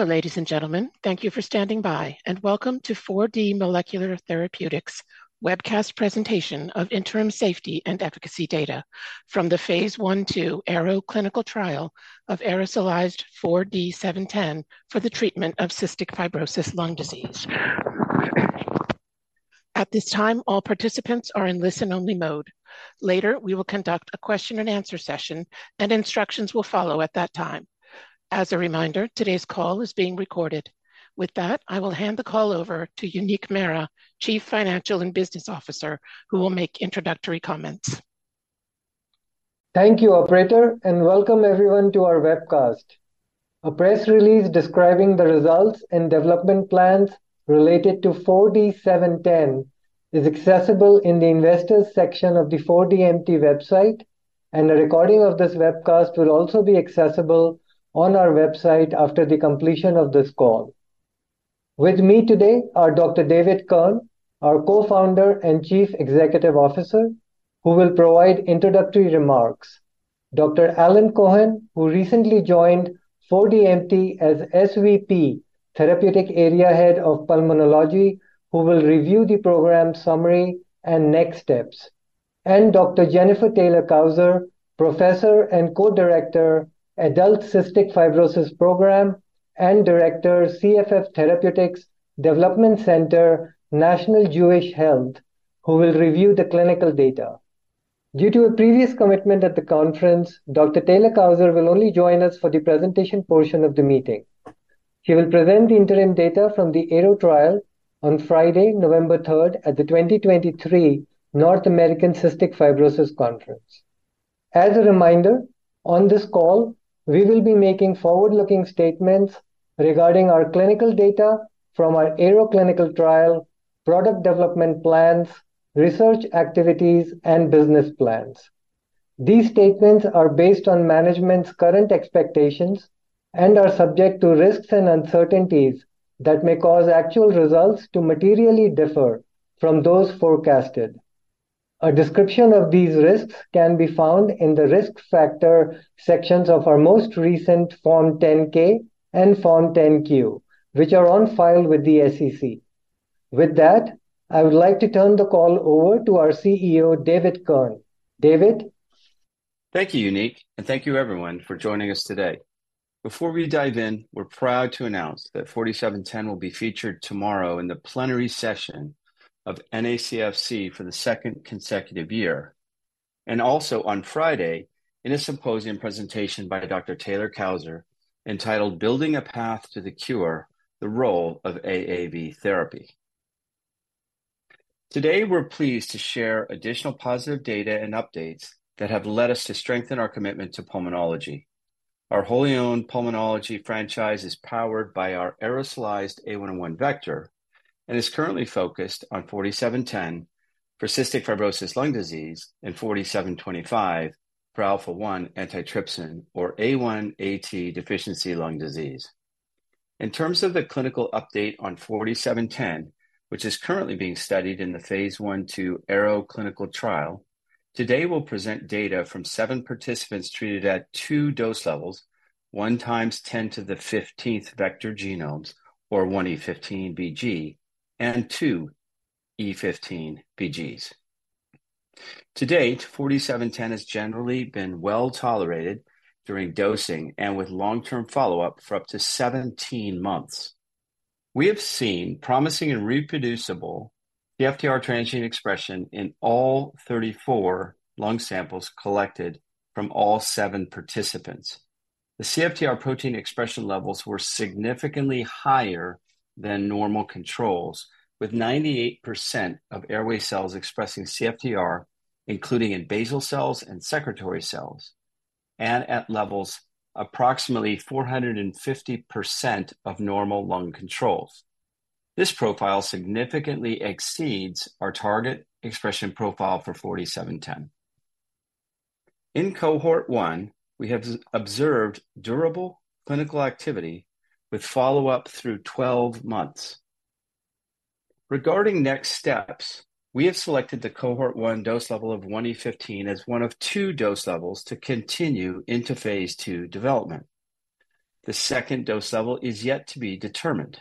Hello, ladies and gentlemen. Thank you for standing by, and welcome to 4D Molecular Therapeutics webcast presentation of interim safety and efficacy data from the Phase 1/2 ARROW clinical trial of aerosolized 4D-710 for the treatment of cystic fibrosis lung disease. At this time, all participants are in listen-only mode. Later, we will conduct a question and answer session, and instructions will follow at that time. As a reminder, today's call is being recorded. With that, I will hand the call over to Uneek Mehra, Chief Financial and Business Officer, who will make introductory comments. Thank you, operator, and welcome everyone to our webcast. A press release describing the results and development plans related to 4D-710 is accessible in the investors section of the 4DMT website, and a recording of this webcast will also be accessible on our website after the completion of this call. With me today are Dr. David Kirn, our Co-founder and Chief Executive Officer, who will provide introductory remarks. Dr. Alan Cohen, who recently joined 4DMT as SVP, Therapeutic Area Head of Pulmonology, who will review the program summary and next steps. And Dr. Jennifer Taylor-Cousar, Professor and Co-director, Adult Cystic Fibrosis Program, and Director, CFF Therapeutics Development Center, National Jewish Health, who will review the clinical data. Due to a previous commitment at the conference, Dr. Taylor-Cousar will only join us for the presentation portion of the meeting. She will present the interim data from the ARROW trial on Friday, November 3, at the 2023 North American Cystic Fibrosis Conference. As a reminder, on this call, we will be making forward-looking statements regarding our clinical data from our ARROW clinical trial, product development plans, research activities, and business plans. These statements are based on management's current expectations and are subject to risks and uncertainties that may cause actual results to materially differ from those forecasted. A description of these risks can be found in the risk factor sections of our most recent Form 10-K and Form 10-Q, which are on file with the SEC. With that, I would like to turn the call over to our CEO, David Kirn. David? Thank you, Uneek, and thank you everyone for joining us today. Before we dive in, we're proud to announce that 4D-710 will be featured tomorrow in the plenary session of NACFC for the second consecutive year, and also on Friday in a symposium presentation by Dr. Taylor-Cousar entitled Building a Path to the Cure: The Role of AAV Therapy. Today, we're pleased to share additional positive data and updates that have led us to strengthen our commitment to pulmonology. Our wholly-owned pulmonology franchise is powered by our aerosolized A101 vector and is currently focused on 4D-710 for cystic fibrosis lung disease and 4D-725 for Alpha-1 Antitrypsin, or A1AT, deficiency lung disease. In terms of the clinical update on 4D-710, which is currently being studied in the Phase 1/2 ARROW clinical trial, today we'll present data from seven participants treated at 2 dose levels: 1 × 10¹⁵ vector genomes, or 1E15 vg, and 2E15 vg. To date, 4D-710 has generally been well-tolerated during dosing and with long-term follow-up for up to 17 months. We have seen promising and reproducible CFTR transgene expression in all 34 lung samples collected from all seven participants. The CFTR protein expression levels were significantly higher than normal controls, with 98% of airway cells expressing CFTR, including in basal cells and secretory cells, and at levels approximately 450% of normal lung controls. This profile significantly exceeds our target expression profile for 4D-710. In cohort 1, we have observed durable clinical activity with follow-up through 12 months. Regarding next steps, we have selected the cohort 1 dose level of 1E15 as one of two dose levels to continue into phase II development. The second dose level is yet to be determined.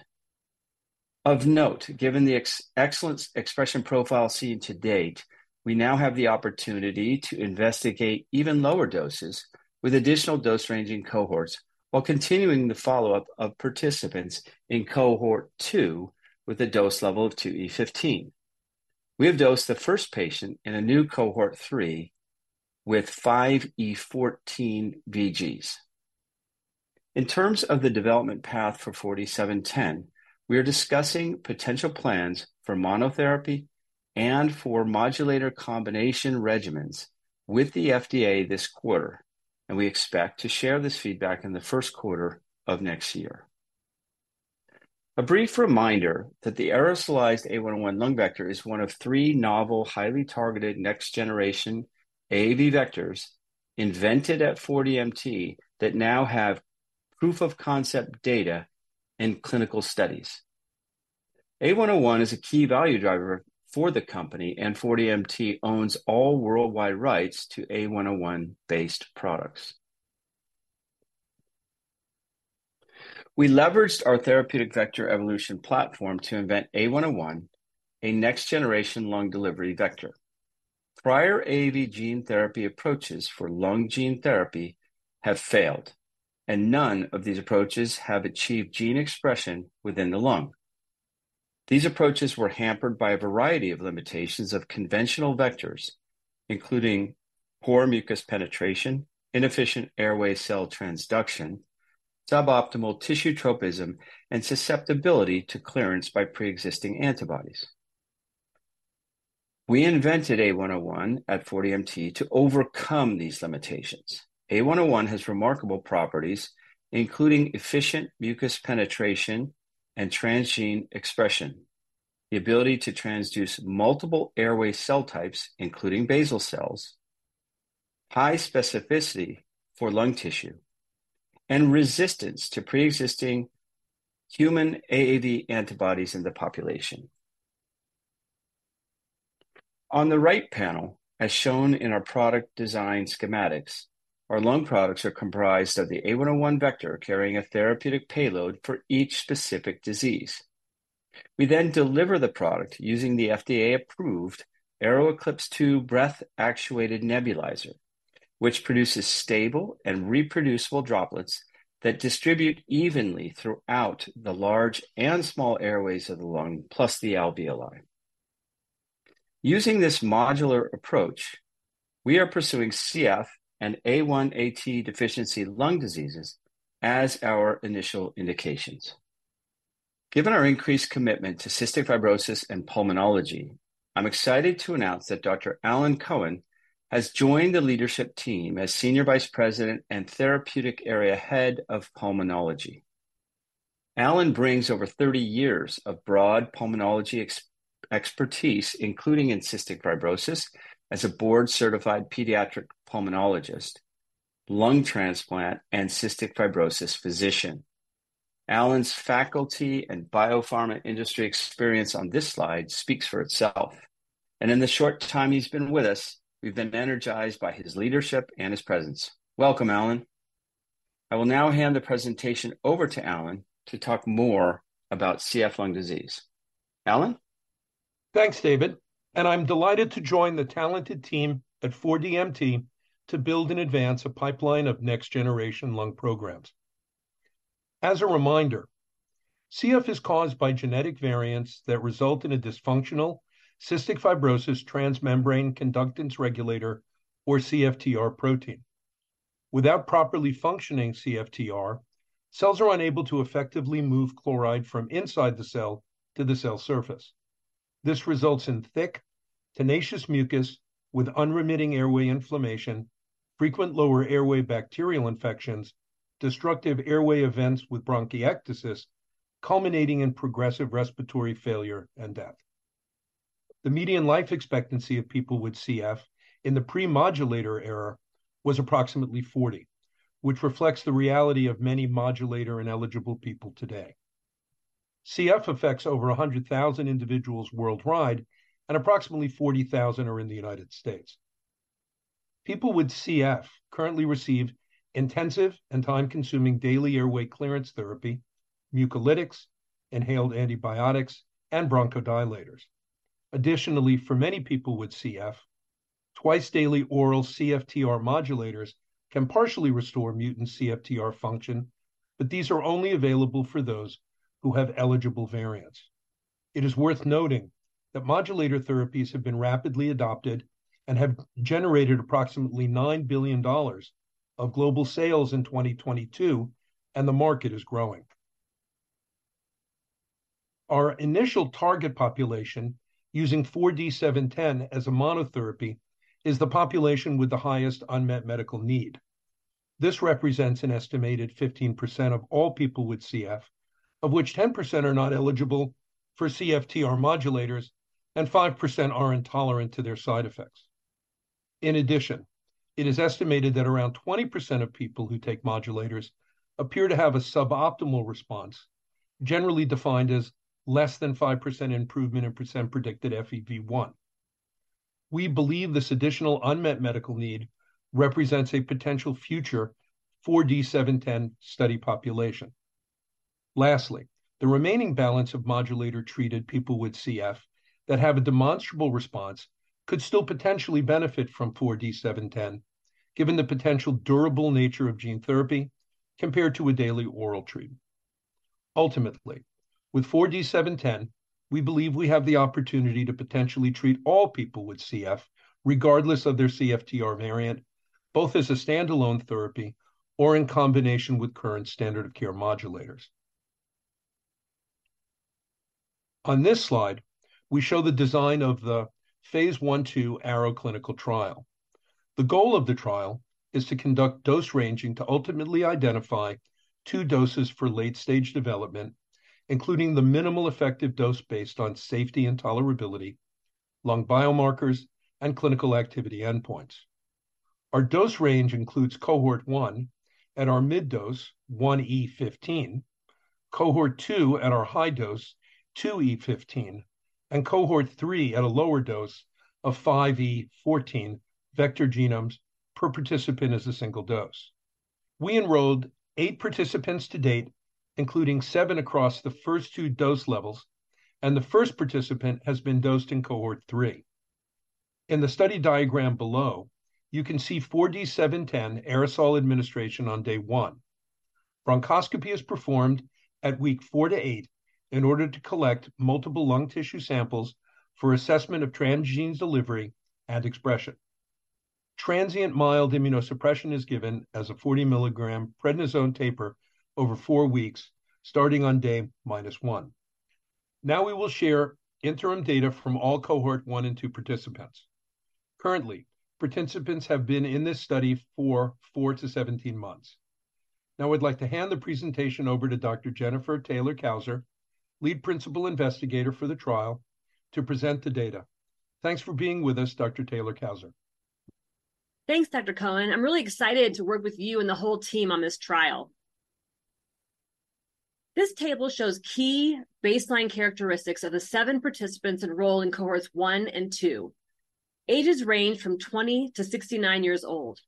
Of note, given the excellent expression profile seen to date, we now have the opportunity to investigate even lower doses with additional dose-ranging cohorts while continuing the follow-up of participants in cohort 2 with a dose level of 2E15. We have dosed the first patient in a new cohort 3 with 5E14 VGs. In terms of the development path for 4D-710, we are discussing potential plans for monotherapy and for modulator combination regimens with the FDA this quarter, and we expect to share this feedback in the first quarter of next year. A brief reminder that the aerosolized A101 lung vector is one of three novel, highly targeted next-generation AAV vectors invented at 4DMT that now have proof-of-concept data in clinical studies.... A101 is a key value driver for the company, and 4DMT owns all worldwide rights to A101-based products. We leveraged our Therapeutic Vector Evolution platform to invent A101, a next-generation lung delivery vector. Prior AAV gene therapy approaches for lung gene therapy have failed, and none of these approaches have achieved gene expression within the lung. These approaches were hampered by a variety of limitations of conventional vectors, including poor mucus penetration, inefficient airway cell transduction, suboptimal tissue tropism, and susceptibility to clearance by pre-existing antibodies. We invented A101 at 4DMT to overcome these limitations. A101 has remarkable properties, including efficient mucus penetration and transgene expression, the ability to transduce multiple airway cell types, including basal cells, high specificity for lung tissue, and resistance to pre-existing human AAV antibodies in the population. On the right panel, as shown in our product design schematics, our lung products are comprised of the A101 vector carrying a therapeutic payload for each specific disease. We then deliver the product using the FDA-approved AeroEclipse II breath-actuated nebulizer, which produces stable and reproducible droplets that distribute evenly throughout the large and small airways of the lung, plus the alveoli. Using this modular approach, we are pursuing CF and A1AT deficiency lung diseases as our initial indications. Given our increased commitment to cystic fibrosis and pulmonology, I'm excited to announce that Dr. Alan Cohen has joined the leadership team as Senior Vice President and Therapeutic Area Head of Pulmonology. Alan brings over 30 years of broad pulmonology expertise, including in cystic fibrosis, as a board-certified pediatric pulmonologist, lung transplant, and cystic fibrosis physician. Alan's faculty and biopharma industry experience on this slide speaks for itself, and in the short time he's been with us, we've been energized by his leadership and his presence. Welcome, Alan. I will now hand the presentation over to Alan to talk more about CF lung disease. Alan? Thanks, David, and I'm delighted to join the talented team at 4DMT to build and advance a pipeline of next-generation lung programs. As a reminder, CF is caused by genetic variants that result in a dysfunctional cystic fibrosis transmembrane conductance regulator, or CFTR protein. Without properly functioning CFTR, cells are unable to effectively move chloride from inside the cell to the cell surface. This results in thick, tenacious mucus with unremitting airway inflammation, frequent lower airway bacterial infections, destructive airway events with bronchiectasis, culminating in progressive respiratory failure and death. The median life expectancy of people with CF in the pre-modulator era was approximately 40, which reflects the reality of many modulator and eligible people today. CF affects over 100,000 individuals worldwide, and approximately 40,000 are in the United States. People with CF currently receive intensive and time-consuming daily airway clearance therapy, mucolytics, inhaled antibiotics, and bronchodilators. Additionally, for many people with CF, twice-daily oral CFTR modulators can partially restore mutant CFTR function, but these are only available for those who have eligible variants. It is worth noting that modulator therapies have been rapidly adopted and have generated approximately $9 billion of global sales in 2022, and the market is growing. Our initial target population, using 4D-710 as a monotherapy, is the population with the highest unmet medical need. This represents an estimated 15% of all people with CF, of which 10% are not eligible for CFTR modulators and 5% are intolerant to their side effects. In addition, it is estimated that around 20% of people who take modulators appear to have a suboptimal response, generally defined as less than 5% improvement in percent-predicted FEV1. We believe this additional unmet medical need represents a potential future for 4D-710 study population. Lastly, the remaining balance of modulator-treated people with CF that have a demonstrable response could still potentially benefit from 4D-710, given the potential durable nature of gene therapy compared to a daily oral treatment. Ultimately, with 4D-710, we believe we have the opportunity to potentially treat all people with CF, regardless of their CFTR variant, both as a standalone therapy or in combination with current standard of care modulators. On this slide, we show the design of the phase I/2 ARROW clinical trial. The goal of the trial is to conduct dose ranging to ultimately identify two doses for late-stage development, including the minimal effective dose based on safety and tolerability, lung biomarkers, and clinical activity endpoints... Our dose range includes Cohort 1 at our mid dose, 1E15, Cohort 2 at our high dose, 2E15, and Cohort 3 at a lower dose of 5E14 vector genomes per participant as a single dose. We enrolled eight participants to date, including seven across the first two dose levels, and the first participant has been dosed in Cohort 3. In the study diagram below, you can see 4D-710 aerosol administration on day one. Bronchoscopy is performed at week four to eight in order to collect multiple lung tissue samples for assessment of transgene delivery and expression. Transient mild immunosuppression is given as a 40-milligram prednisone taper over four weeks, starting on day -1. Now we will share interim data from all Cohort 1 and 2 participants. Currently, participants have been in this study for 4-17 months. Now I'd like to hand the presentation over to Dr. Jennifer Taylor-Cousar, Lead Principal Investigator for the trial, to present the data. Thanks for being with us, Dr. Taylor-Cousar. Thanks, Dr. Cohen. I'm really excited to work with you and the whole team on this trial. This table shows key baseline characteristics of the seven participants enrolled in Cohorts 1 and 2. Ages range from 20-69 years old.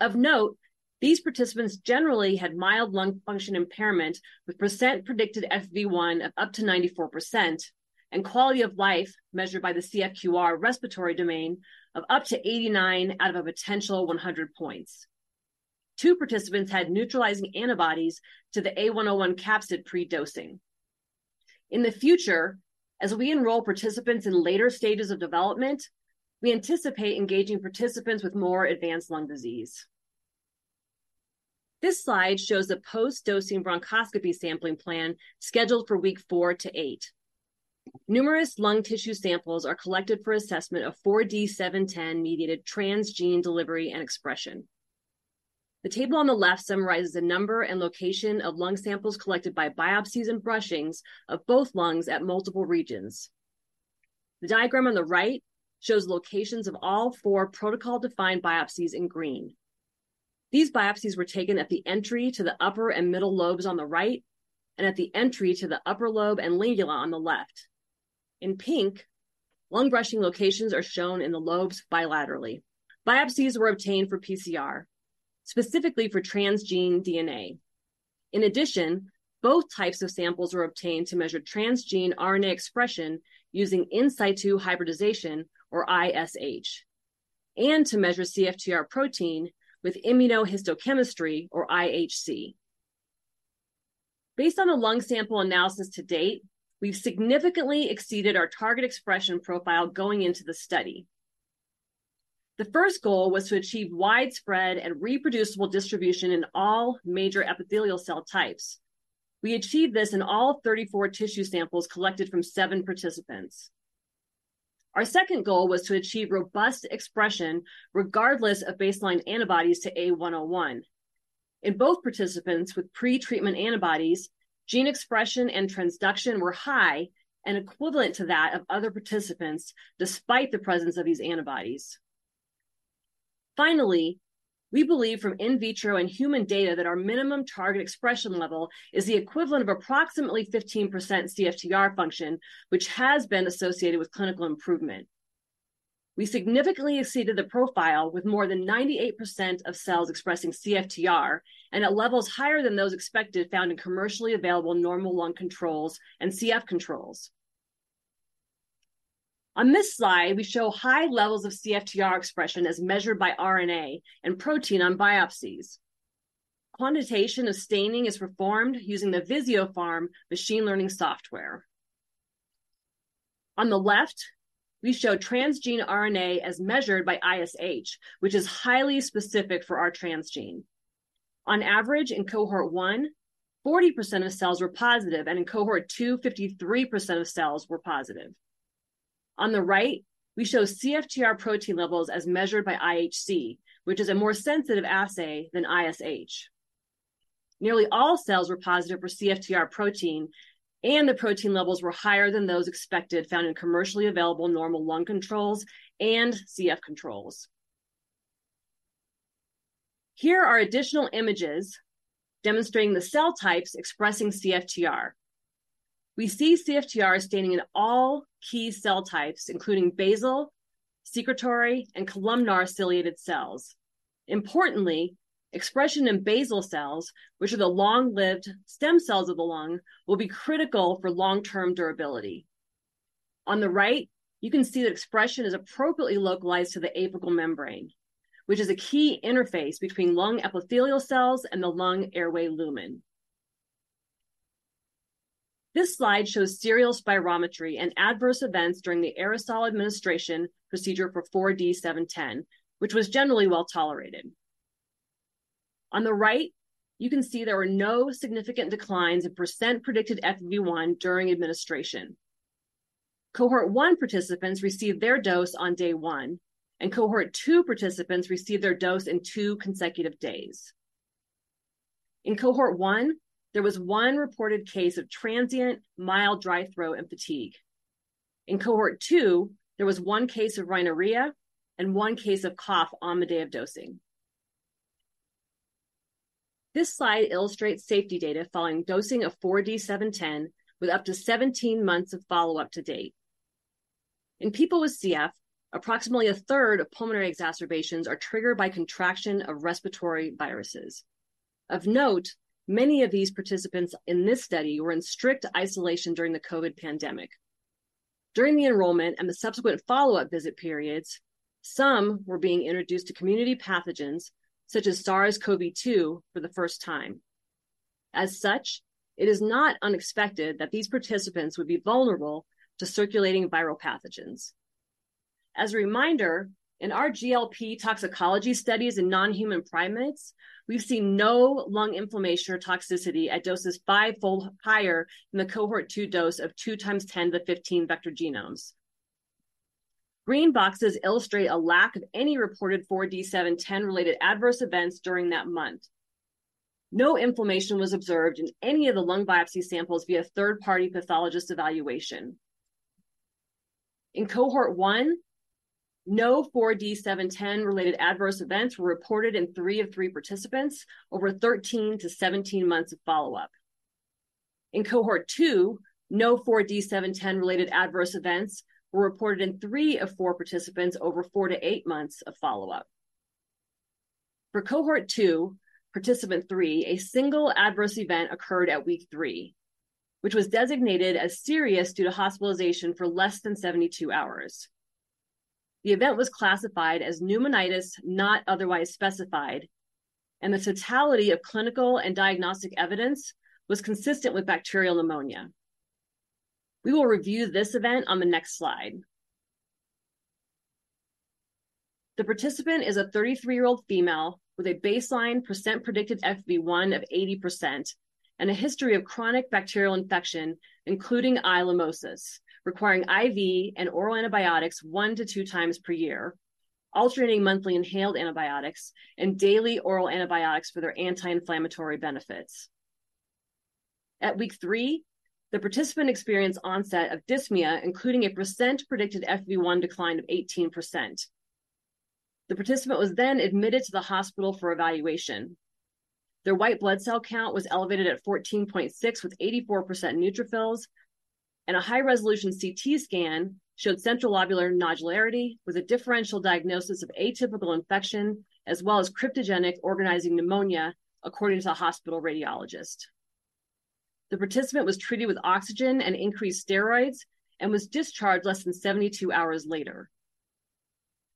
Of note, these participants generally had mild lung function impairment, with percent predicted FEV1 of up to 94%, and quality of life, measured by the CFQ-R respiratory domain, of up to 89 out of a potential 100 points. Two participants has neutralizing antibodies to the A101 capsid pre-dosing. In the future, as we enroll participants in later stages of development, we anticipate engaging participants with more advanced lung disease. This slide shows a post-dosing bronchoscopy sampling plan scheduled for week four to eight. Numerous lung tissue samples are collected for assessment of 4D-710-mediated transgene delivery and expression. The table on the left summarizes the number and location of lung samples collected by biopsies and brushings of both lungs at multiple regions. The diagram on the right shows locations of all four protocol-defined biopsies in green. These biopsies were taken at the entry to the upper and middle lobes on the right, and at the entry to the upper lobe and lingula on the left. In pink, lung brushing locations are shown in the lobes bilaterally. Biopsies were obtained for PCR, specifically for transgene DNA. In addition, both types of samples were obtained to measure transgene RNA expression using in situ hybridization, or ISH, and to measure CFTR protein with immunohistochemistry, or IHC. Based on the lung sample analysis to date, we've significantly exceeded our target expression profile going into the study. The first goal was to achieve widespread and reproducible distribution in all major epithelial cell types. We achieved this in all 34 tissue samples collected from seven participants . Our second goal was to achieve robust expression regardless of baseline antibodies to A101. In both participants with pretreatment antibodies, gene expression and transduction were high and equivalent to that of other participants, despite the presence of these antibodies. Finally, we believe from in vitro and human data that our minimum target expression level is the equivalent of approximately 15% CFTR function, which has been associated with clinical improvement. We significantly exceeded the profile, with more than 98% of cells expressing CFTR, and at levels higher than those expected found in commercially available normal lung controls and CF controls. On this slide, we show high levels of CFTR expression as measured by RNA and protein on biopsies. Quantitation of staining is performed using the Visiopharm machine learning software. On the left, we show transgene RNA as measured by ISH, which is highly specific for our transgene. On average, in Cohort 1, 40% of cells were positive, and in Cohort 2, 53% of cells were positive. On the right, we show CFTR protein levels as measured by IHC, which is a more sensitive assay than ISH. Nearly all cells were positive for CFTR protein, and the protein levels were higher than those expected, found in commercially available normal lung controls and CF controls. Here are additional images demonstrating the cell types expressing CFTR. We see CFTR staining in all key cell types, including basal, secretory, and columnar ciliated cells. Importantly, expression in basal cells, which are the long-lived stem cells of the lung, will be critical for long-term durability. On the right, you can see the expression is appropriately localized to the apical membrane, which is a key interface between lung epithelial cells and the lung airway lumen. This slide shows serial spirometry and adverse events during the aerosol administration procedure for 4D-710, which was generally well-tolerated. On the right, you can see there were no significant declines in percent predicted FEV1 during administration. Cohort 1 participants received their dose on day one, and Cohort 2 participants received their dose in two consecutive days... In Cohort 1, there was one reported case of transient, mild dry throat and fatigue. In Cohort 2, there was one case of rhinorrhea and one case of cough on the day of dosing. This slide illustrates safety data following dosing of 4D-710, with up to 17 months of follow-up to date. In people with CF, approximately a third of pulmonary exacerbations are triggered by contraction of respiratory viruses. Of note, many of these participants in this study were in strict isolation during the COVID pandemic. During the enrollment and the subsequent follow-up visit periods, some were being introduced to community pathogens such as SARS-CoV-2 for the first time. As such, it is not unexpected that these participants would be vulnerable to circulating viral pathogens. As a reminder, in our GLP toxicology studies in non-human primates, we've seen no lung inflammation or toxicity at doses fivefold higher than the cohort 2 dose of 2 × 10^15 vector genomes. Green boxes illustrate a lack of any reported 4D-710-related adverse events during that month. No inflammation was observed in any of the lung biopsy samples via third-party pathologist evaluation. In cohort 1, no 4D-710-related adverse events were reported in three of three participants over 13-17 months of follow-up. In cohort 2, no 4D-710-related adverse events were reported in three of four participants over four to eight months of follow-up. For cohort 2, participant 3, a single adverse event occurred at week 3, which was designated as serious due to hospitalization for less than 72 hours. The event was classified as pneumonitis, not otherwise specified, and the totality of clinical and diagnostic evidence was consistent with bacterial pneumonia. We will review this event on the next slide. The participant is a 33-year-old female with a baseline percent predicted FEV1 of 80% and a history of chronic bacterial infection, including I. limosus, requiring IV and oral antibiotics one to two times per year, alternating monthly inhaled antibiotics, and daily oral antibiotics for their anti-inflammatory benefits. At week 3, the participant experienced onset of dyspnea, including a percent predicted FEV1 decline of 18%. The participant was then admitted to the hospital for evaluation. Their white blood cell count was elevated at 14.6, with 84% neutrophils, and a high-resolution CT scan showed centrilobular nodularity with a differential diagnosis of atypical infection, as well as cryptogenic organizing pneumonia, according to the hospital radiologist. The participant was treated with oxygen and increased steroids and was discharged less than 72 hours later.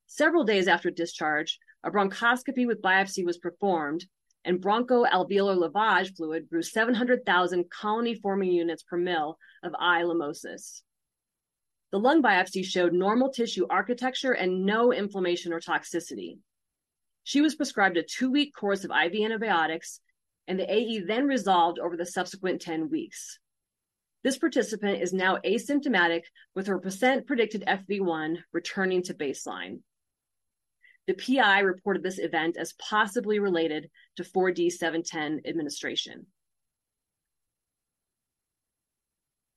Several days after discharge, a bronchoscopy with biopsy was performed, and bronchoalveolar lavage fluid grew 700,000 colony-forming units per ml of I. limosus. The lung biopsy showed normal tissue architecture and no inflammation or toxicity. She was prescribed a 2-week course of IV antibiotics, and the AE then resolved over the subsequent 10 weeks. This participant is now asymptomatic, with her percent predicted FEV1 returning to baseline. The PI reported this event as possibly related to 4D-710 administration.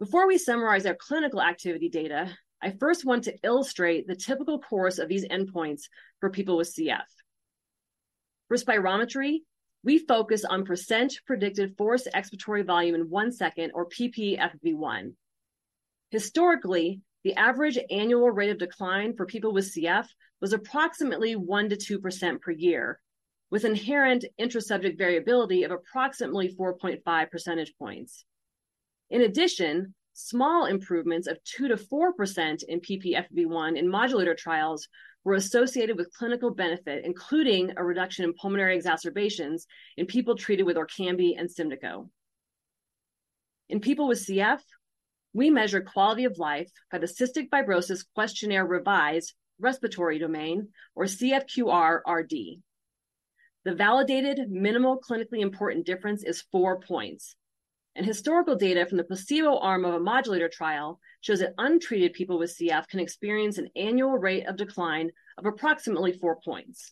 Before we summarize our clinical activity data, I first want to illustrate the typical course of these endpoints for people with CF. For spirometry, we focus on percent predicted forced expiratory volume in one second, or ppFEV1. Historically, the average annual rate of decline for people with CF was approximately 1%-2% per year, with inherent intrasubject variability of approximately 4.5 percentage points. In addition, small improvements of 2%-4% in ppFEV1 in modulator trials were associated with clinical benefit, including a reduction in pulmonary exacerbations in people treated with Orkambi and Symdeko. In people with CF, we measure quality of life by the Cystic Fibrosis Questionnaire-Revised respiratory domain, or CFQ-R RD. The validated minimal clinically important difference is four points, and historical data from the placebo arm of a modulator trial shows that untreated people with CF can experience an annual rate of decline of approximately four points.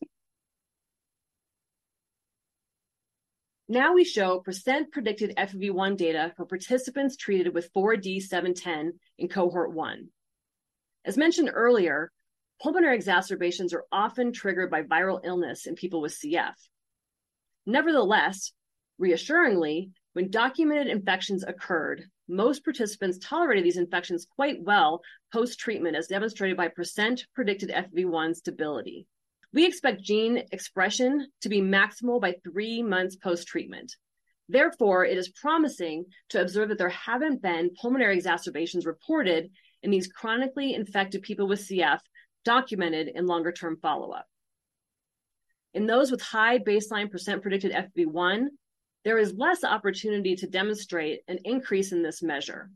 Now we show percent predicted FEV1 data for participants treated with 4D-710 in cohort one. As mentioned earlier, pulmonary exacerbations are often triggered by viral illness in people with CF. Nevertheless, reassuringly, when documented infections occurred, most participants tolerated these infections quite well post-treatment, as demonstrated by percent predicted FEV1 stability. We expect gene expression to be maximal by three months post-treatment. Therefore, it is promising to observe that there haven't been pulmonary exacerbations reported in these chronically infected people with CF documented in longer-term follow-up. In those with high baseline percent predicted FEV1, there is less opportunity to demonstrate an increase in this measure.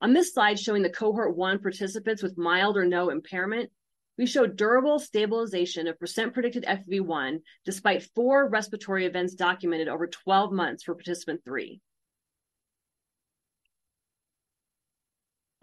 On this slide, showing the Cohort 1 participants with mild or no impairment, we show durable stabilization of percent predicted FEV1, despite 4 respiratory events documented over 12 months for participant 3....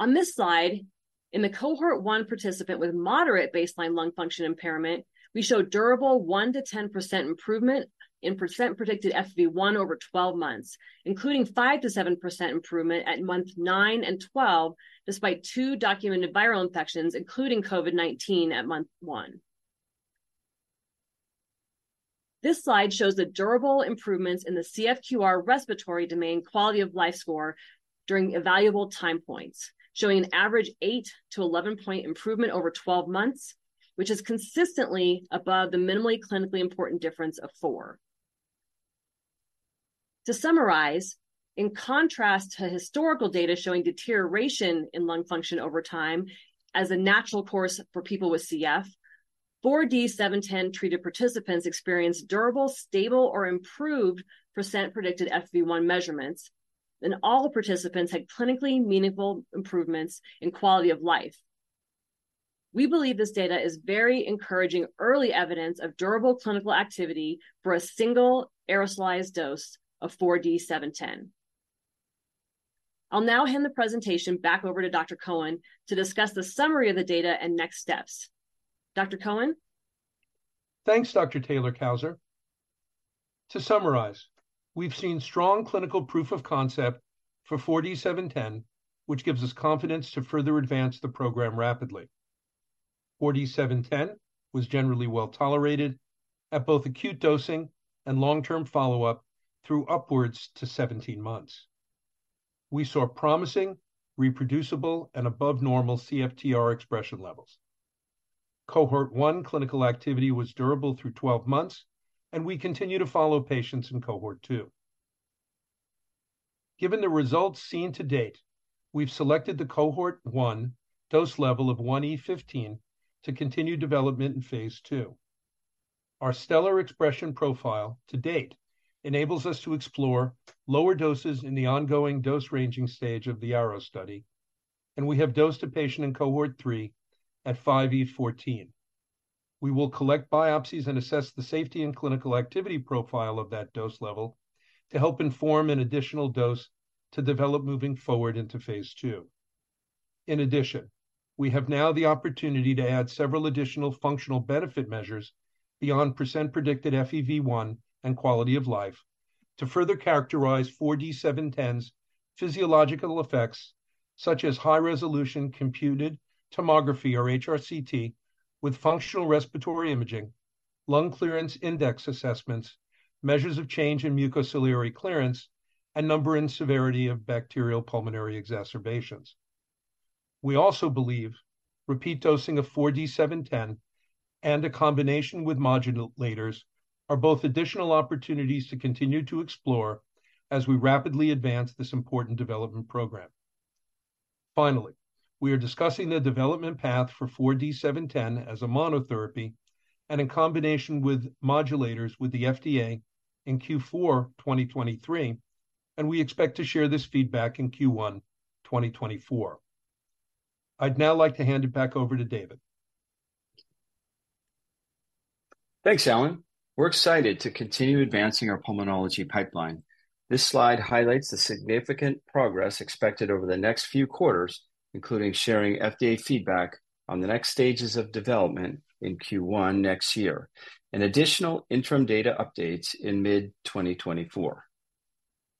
On this slide, in the Cohort 1 participant with moderate baseline lung function impairment, we show durable 1%-10% improvement in percent predicted FEV1 over 12 months, including 5%-7% improvement at month 9 and 12, despite 2 documented viral infections, including COVID-19 at month 1. This slide shows the durable improvements in the CFQ-R respiratory domain quality of life score during evaluable time points, showing an average 8-11 point improvement over 12 months, which is consistently above the minimally clinically important difference of 4. To summarize, in contrast to historical data showing deterioration in lung function over time as a natural course for people with CF, 4D-710 treated participants experienced durable, stable, or improved percent predicted FEV1 measurements, and all the participants had clinically meaningful improvements in quality of life. We believe this data is very encouraging early evidence of durable clinical activity for a single aerosolized dose of 4D-710. I'll now hand the presentation back over to Dr. Cohen to discuss the summary of the data and next steps. Dr. Cohen? Thanks, Dr. Taylor-Cousar. To summarize, we've seen strong clinical proof of concept for 4D-710, which gives us confidence to further advance the program rapidly. 4D-710 was generally well-tolerated at both acute dosing and long-term follow-up through upwards to 17 months. We saw promising, reproducible, and above normal CFTR expression levels. Cohort 1 clinical activity was durable through 12 months, and we continue to follow patients in Cohort 2. Given the results seen to date, we've selected the Cohort 1 dose level of 1E15 to continue development in phase II. Our stellar expression profile to date enables us to explore lower doses in the ongoing dose-ranging stage of the ARROW study, and we have dosed a patient in Cohort 3 at 5E14. We will collect biopsies and assess the safety and clinical activity profile of that dose level to help inform an additional dose to develop moving forward into phase II. In addition, we have now the opportunity to add several additional functional benefit measures beyond % predicted FEV1 and quality of life to further characterize 4D-710's physiological effects, such as high-resolution computed tomography, or HRCT, with functional respiratory imaging, lung clearance index assessments, measures of change in Mucociliary clearance, and number and severity of bacterial pulmonary exacerbations. We also believe repeat dosing of 4D-710 and a combination with modulators are both additional opportunities to continue to explore as we rapidly advance this important development program. Finally, we are discussing the development path for 4D-710 as a monotherapy and in combination with modulators with the FDA in Q4 2023, and we expect to share this feedback in Q1 2024. I'd now like to hand it back over to David. Thanks, Alan. We're excited to continue advancing our pulmonology pipeline. This slide highlights the significant progress expected over the next few quarters, including sharing FDA feedback on the next stages of development in Q1 next year, and additional interim data updates in mid 2024.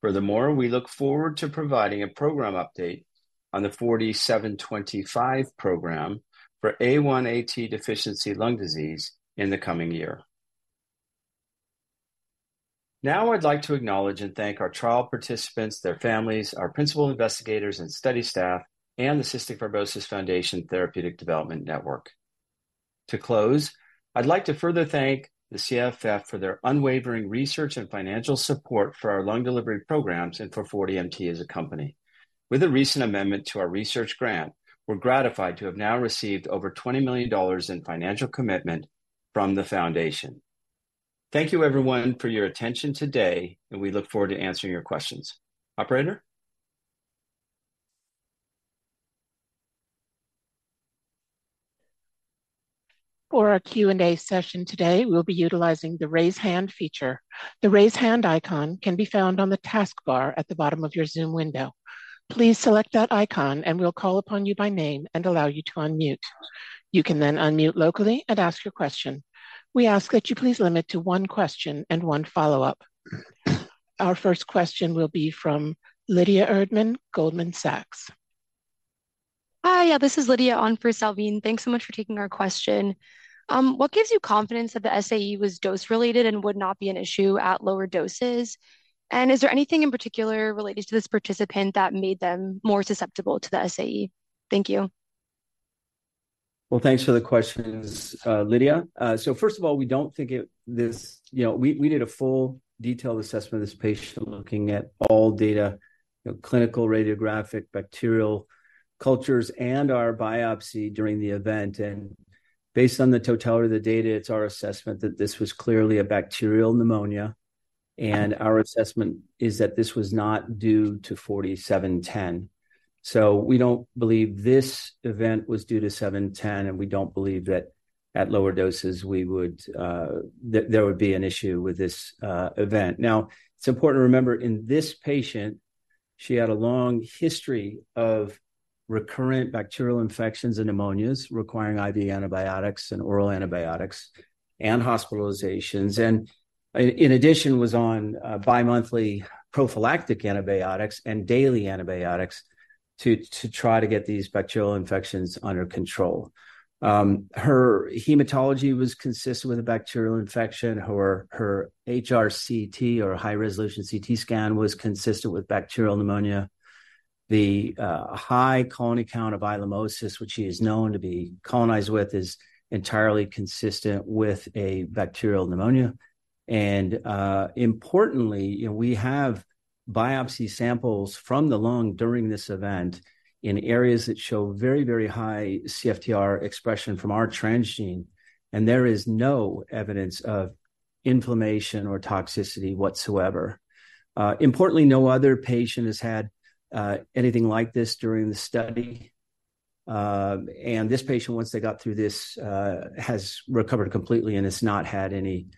Furthermore, we look forward to providing a program update on the 4D-725 program for A1AT deficiency lung disease in the coming year. Now I'd like to acknowledge and thank our trial participants, their families, our principal investigators and study staff, and the Cystic Fibrosis Foundation Therapeutic Development Network. To close, I'd like to further thank the CFF for their unwavering research and financial support for our lung delivery programs and for 4DMT as a company. With a recent amendment to our research grant, we're gratified to have now received over $20 million in financial commitment from the foundation. Thank you everyone for your attention today, and we look forward to answering your questions. Operator? For our Q&A session today, we'll be utilizing the Raise Hand feature. The Raise Hand icon can be found on the taskbar at the bottom of your Zoom window. Please select that icon, and we'll call upon you by name and allow you to unmute. You can then unmute locally and ask your question. We ask that you please limit to one question and one follow-up. Our first question will be from Lydia Erdman, Goldman Sachs. Hi, yeah, this is Lydia on for Salveen. Thanks so much for taking our question. What gives you confidence that the SAE was dose-related and would not be an issue at lower doses? And is there anything in particular related to this participant that made them more susceptible to the SAE? Thank you. Well, thanks for the questions, Lydia. So first of all, we don't think it... This, you know, we did a full detailed assessment of this patient, looking at all data, you know, clinical, radiographic, bacterial cultures, and our biopsy during the event. And based on the totality of the data, it's our assessment that this was clearly a bacterial pneumonia, and our assessment is that this was not due to 4D-710. So we don't believe this event was due to 4D-710, and we don't believe that-... at lower doses, we would there would be an issue with this event. Now, it's important to remember, in this patient, she had a long history of recurrent bacterial infections and pneumonias requiring IV antibiotics and oral antibiotics and hospitalizations, and in addition, was on bimonthly prophylactic antibiotics and daily antibiotics to try to get these bacterial infections under control. Her hematology was consistent with a bacterial infection, her HRCT or high-resolution CT scan was consistent with bacterial pneumonia. The high colony count of I. limosus, which she is known to be colonized with, is entirely consistent with a bacterial pneumonia. And importantly, you know, we have biopsy samples from the lung during this event in areas that show very, very high CFTR expression from our transgene, and there is no evidence of inflammation or toxicity whatsoever. Importantly, no other patient has had anything like this during the study. This patient, once they got through this, has recovered completely and has not had any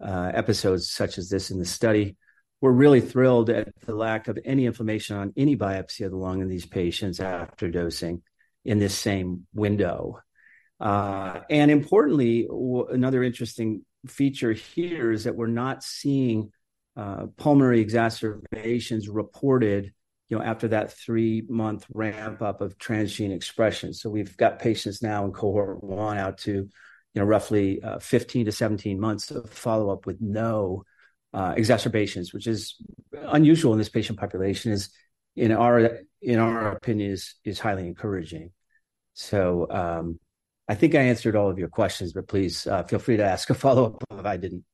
episodes such as this in the study. We're really thrilled at the lack of any inflammation on any biopsy of the lung in these patients after dosing in this same window. Importantly, another interesting feature here is that we're not seeing pulmonary exacerbations reported, you know, after that 3-month ramp-up of transgene expression. So we've got patients now in cohort one out to, you know, roughly 15-17 months of follow-up with no exacerbations, which is unusual in this patient population, in our opinion, is highly encouraging. I think I answered all of your questions, but please, feel free to ask a follow-up if I didn't.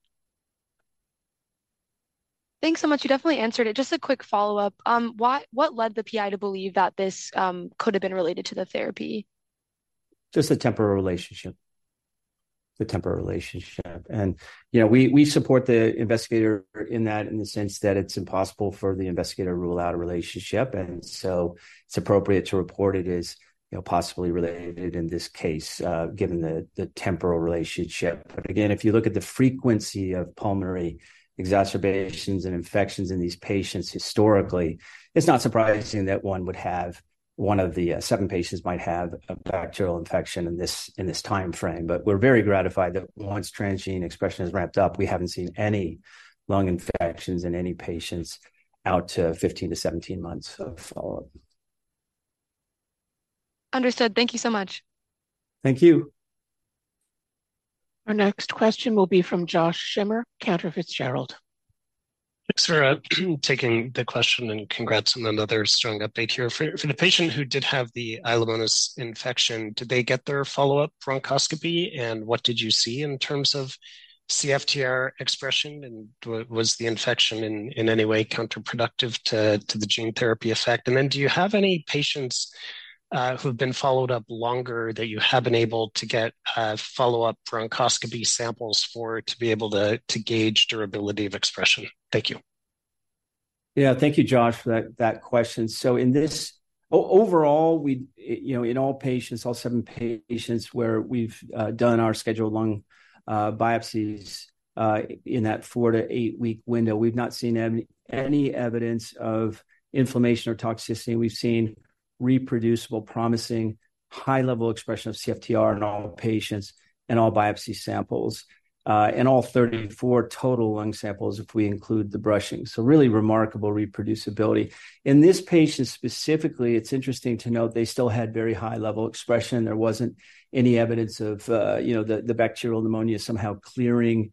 Thanks so much. You definitely answered it. Just a quick follow-up. What led the PI to believe that this could have been related to the therapy? Just the temporal relationship. The temporal relationship. And, you know, we support the investigator in that, in the sense that it's impossible for the investigator to rule out a relationship, and so it's appropriate to report it as, you know, possibly related in this case, given the temporal relationship. But again, if you look at the frequency of pulmonary exacerbations and infections in these patients historically, it's not surprising that one would have one of the 7 patients might have a bacterial infection in this time frame. But we're very gratified that once transgene expression is ramped up, we haven't seen any lung infections in any patients out to 15-17 months of follow-up. Understood. Thank you so much. Thank you. Our next question will be from Josh Schimmer, Cantor Fitzgerald. Thanks for taking the question, and congrats on another strong update here. For the patient who did have the Inquilinus limosus infection, did they get their follow-up bronchoscopy, and what did you see in terms of CFTR expression, and was the infection in any way counterproductive to the gene therapy effect? And then, do you have any patients who have been followed up longer that you have been able to get follow-up bronchoscopy samples for, to be able to gauge durability of expression? Thank you. Yeah. Thank you, Josh, for that, that question. So overall, we, you know, in all patients, all 7 patients where we've done our scheduled lung biopsies, in that 4- to 8-week window, we've not seen any, any evidence of inflammation or toxicity. We've seen reproducible, promising, high-level expression of CFTR in all the patients, in all biopsy samples, in all 34 total lung samples, if we include the brushing. So really remarkable reproducibility. In this patient specifically, it's interesting to note they still had very high-level expression. There wasn't any evidence of, you know, the, the bacterial pneumonia somehow clearing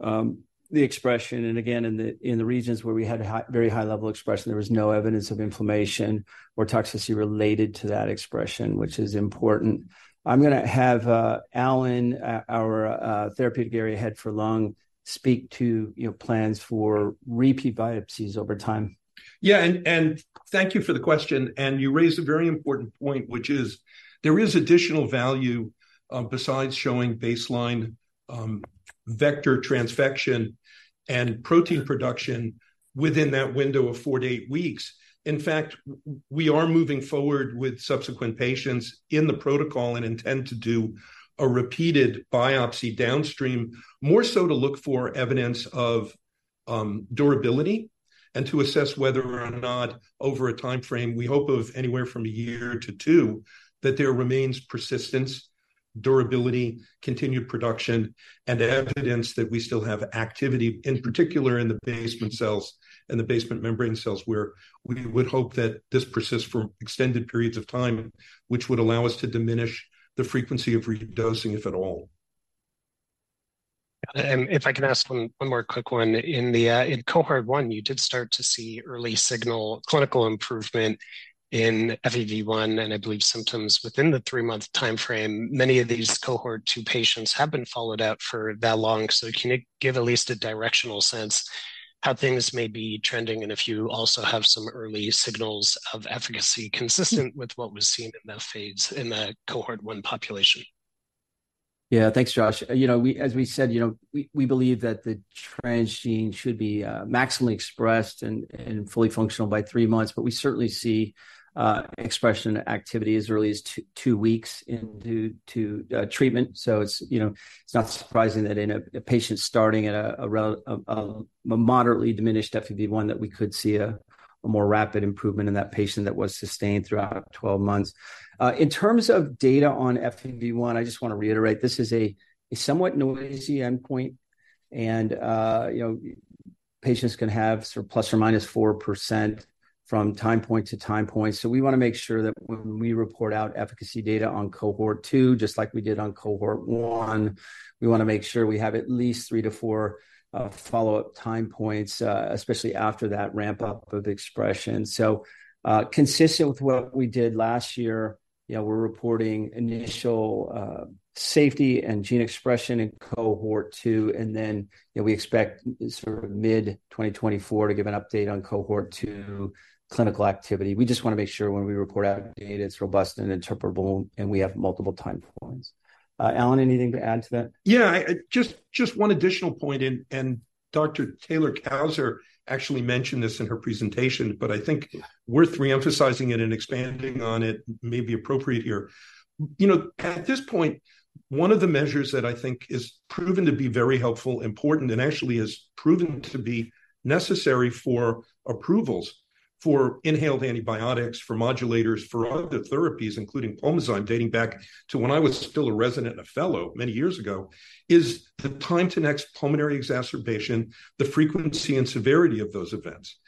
the expression. And again, in the, in the regions where we had high, very high-level expression, there was no evidence of inflammation or toxicity related to that expression, which is important. I'm gonna have Alan, our therapeutic area head for lung, speak to, you know, plans for repeat biopsies over time. Yeah, and thank you for the question, and you raised a very important point, which is there is additional value, besides showing baseline, vector transfection and protein production within that window of four to eight weeks. In fact, we are moving forward with subsequent patients in the protocol and intend to do a repeated biopsy downstream, more so to look for evidence of, durability and to assess whether or not over a time frame, we hope of anywhere from a year to two, that there remains persistence, durability, continued production, and evidence that we still have activity, in particular in the basement cells in the basement membrane cells, where we would hope that this persists for extended periods of time, which would allow us to diminish the frequency of redosing, if at all. Yeah. And if I can ask one more quick one. In the cohort one, you did start to see early signal clinical improvement in FEV1, and I believe symptoms within the three-month time frame. Many of these cohort two patients have been followed up for that long, so can you give at least a directional sense how things may be trending, and if you also have some early signals of efficacy consistent with what was seen in the data in the cohort one population?... Yeah, thanks, Josh. You know, as we said, you know, we believe that the transgene should be maximally expressed and fully functional by 3 months, but we certainly see expression activity as early as 2 weeks into treatment. So it's, you know, it's not surprising that in a patient starting at a moderately diminished FEV1, that we could see a more rapid improvement in that patient that was sustained throughout 12 months. In terms of data on FEV1, I just want to reiterate, this is a somewhat noisy endpoint, and, you know, patients can have sort of ±4% from time point to time point. So we want to make sure that when we report out efficacy data on cohort two, just like we did on cohort one, we want to make sure we have at least three to four follow-up time points, especially after that ramp-up of expression. So, consistent with what we did last year, yeah, we're reporting initial safety and gene expression in cohort two, and then, yeah, we expect sort of mid-2024 to give an update on cohort two clinical activity. We just want to make sure when we report out data, it's robust and interpretable, and we have multiple time points. Alan, anything to add to that? Yeah, I just one additional point, and Dr. Taylor-Cousar actually mentioned this in her presentation, but I think worth re-emphasizing it and expanding on it may be appropriate here. You know, at this point, one of the measures that I think is proven to be very helpful, important, and actually is proven to be necessary for approvals for inhaled antibiotics, for modulators, for other therapies, including Pulmozyme, dating back to when I was still a resident and a fellow many years ago, is the time to next pulmonary exacerbation, the frequency and severity of those events.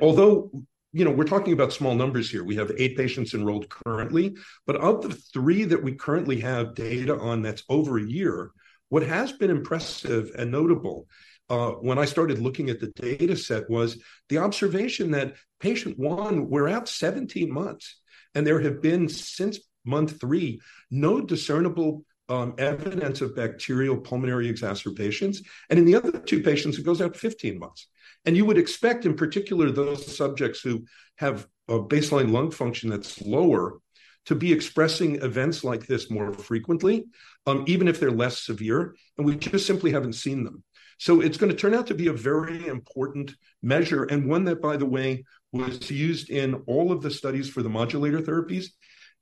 Although, you know, we're talking about small numbers here, we have eight patients enrolled currently, but of the three that we currently have data on that's over a year, what has been impressive and notable, when I started looking at the data set, was the observation that patient 1, we're out 17 months, and there have been, since month 3, no discernible evidence of bacterial pulmonary exacerbations. And in the other 2 patients, it goes out 15 months. And you would expect, in particular, those subjects who have a baseline lung function that's lower, to be expressing events like this more frequently, even if they're less severe, and we just simply haven't seen them. It's going to turn out to be a very important measure, and one that, by the way, was used in all of the studies for the modulator therapies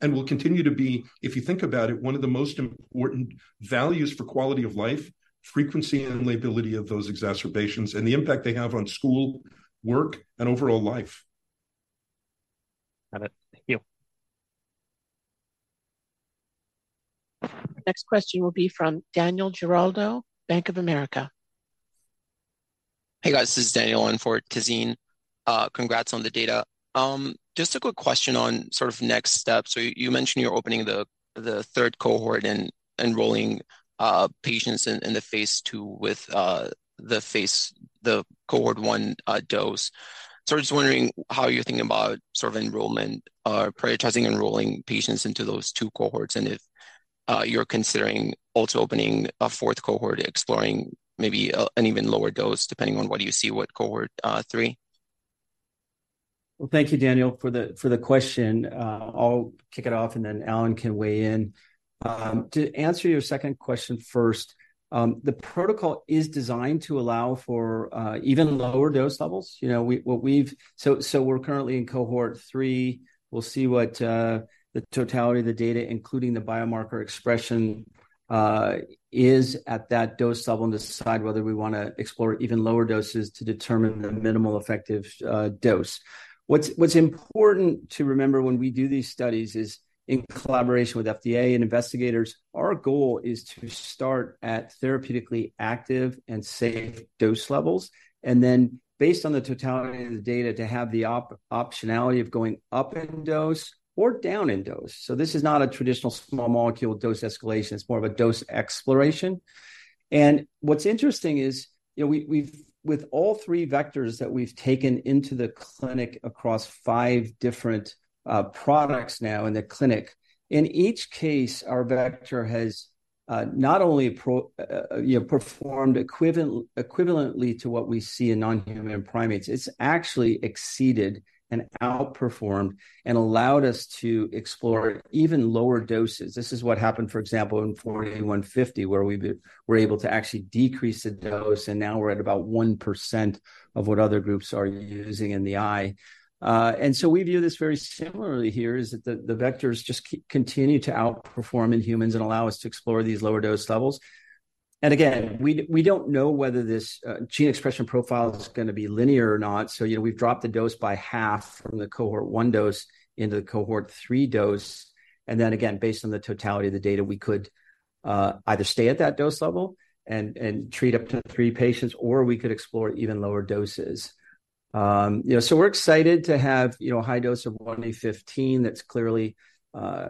and will continue to be, if you think about it, one of the most important values for quality of life, frequency and lability of those exacerbations, and the impact they have on school, work, and overall life. Got it. Thank you. Next question will be from Daniel Giraldo, Bank of America. Hey, guys, this is Daniel, and for Tahseen. Congrats on the data. Just a quick question on sort of next steps. So you mentioned you're opening the third cohort and enrolling patients in the phase two with the phase—the cohort one dose. So I'm just wondering how you're thinking about sort of enrollment or prioritizing enrolling patients into those two cohorts, and if you're considering also opening a fourth cohort, exploring maybe an even lower dose, depending on what you see with cohort three? Well, thank you, Daniel, for the question. I'll kick it off, and then Alan can weigh in. To answer your second question first, the protocol is designed to allow for even lower dose levels. You know, so we're currently in cohort three. We'll see what the totality of the data, including the biomarker expression, is at that dose level, and decide whether we want to explore even lower doses to determine the minimal effective dose. What's important to remember when we do these studies is in collaboration with FDA and investigators, our goal is to start at therapeutically active and safe dose levels, and then based on the totality of the data, to have the optionality of going up in dose or down in dose. So this is not a traditional small molecule dose escalation. It's more of a dose exploration. And what's interesting is, you know, we've with all three vectors that we've taken into the clinic across five different products now in the clinic, in each case, our vector has not only, you know, performed equivalently to what we see in non-human primates, it's actually exceeded and outperformed and allowed us to explore even lower doses. This is what happened, for example, in 4D-150, where we were able to actually decrease the dose, and now we're at about 1% of what other groups are using in the eye. And so we view this very similarly here, is that the vectors just continue to outperform in humans and allow us to explore these lower dose levels. Again, we don't know whether this gene expression profile is going to be linear or not. So, you know, we've dropped the dose by half from the cohort 1 dose into the cohort 3 dose, and then again, based on the totality of the data, we could either stay at that dose level and treat up to 3 patients, or we could explore even lower doses. You know, so we're excited to have, you know, a high dose of 1E15 that's clearly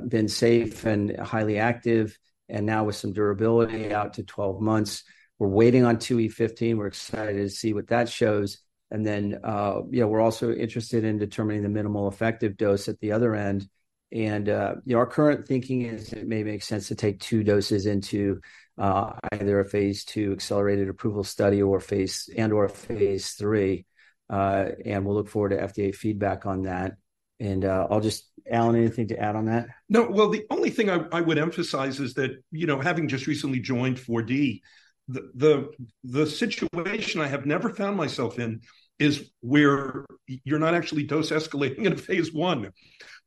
been safe and highly active, and now with some durability out to 12 months. We're waiting on 2E15. We're excited to see what that shows. Then, yeah, we're also interested in determining the minimal effective dose at the other end. And, you know, our current thinking is it may make sense to take two doses into either a phase II accelerated approval study or phase, and/or phase III, and we'll look forward to FDA feedback on that. And, I'll just, Alan, anything to add on that? No. Well, the only thing I would emphasize is that, you know, having just recently joined 4D, the situation I have never found myself in is where you're not actually dose escalating in a phase I,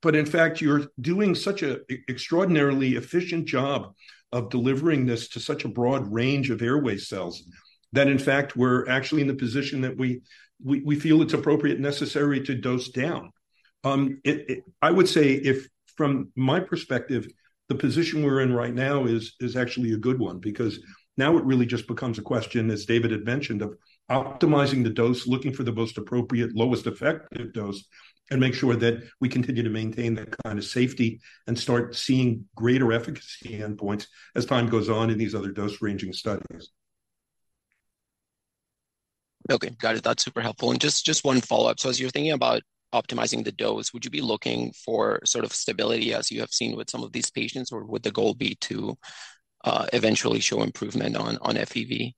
but in fact, you're doing such an extraordinarily efficient job of delivering this to such a broad range of airway cells, that in fact, we're actually in the position that we feel it's appropriate and necessary to dose down. I would say, from my perspective, the position we're in right now is actually a good one, because now it really just becomes a question, as David had mentioned, of optimizing the dose, looking for the most appropriate, lowest effective dose, and make sure that we continue to maintain that kind of safety and start seeing greater efficacy endpoints as time goes on in these other dose-ranging studies. Okay, got it. That's super helpful. And just, just one follow-up. So as you're thinking about optimizing the dose, would you be looking for sort of stability as you have seen with some of these patients? Or would the goal be to eventually show improvement on, on FEV?